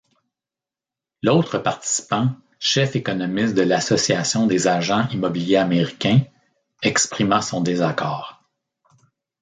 L'autre participant, chef économiste de l'association des agents immobiliers américains, exprima son désaccord.